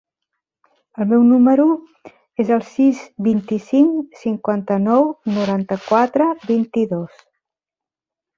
El meu número es el sis, vint-i-cinc, cinquanta-nou, noranta-quatre, vint-i-dos.